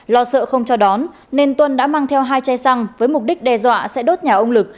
lo sợ không cho đón nên tuân đã mang theo hai chai xăng với mục đích đe dọa sẽ đốt nhà ông lực